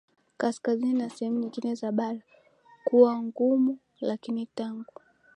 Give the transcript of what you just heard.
Kaskazini na sehemu nyingine za bara kuwa magumu Lakini tangu